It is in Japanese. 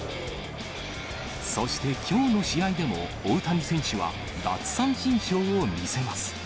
そしてきょうの試合でも、大谷選手は奪三振ショーを見せます。